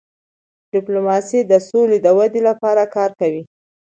ډيپلوماسي د سولې د ودی لپاره کار کوي.